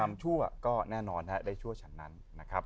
ชั่วก็แน่นอนได้ชั่วฉันนั้นนะครับ